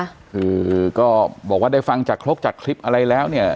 คือก็บอกว่าได้ฟังจากครกจากคลิปอะไรแล้วเนี่ย